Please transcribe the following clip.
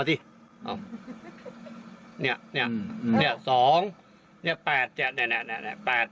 นี่ให้๒ค่ะนี่เขาลงมาสิ